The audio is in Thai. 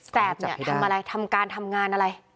แปบเนี่ยทำอะไรทำการทำงานอะไร